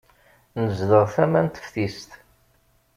Nezdeɣ tama n teftist.